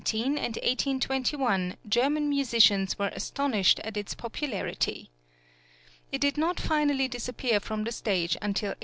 } (88) and even in 1819 and 1821 German musicians were astonished at its popularity. It did not finally disappear from the stage until 1828.